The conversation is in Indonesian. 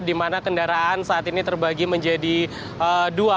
di mana kendaraan saat ini terbagi menjadi dua